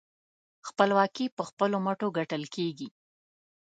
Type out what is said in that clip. خپلواکي په خپلو مټو ګټل کېږي.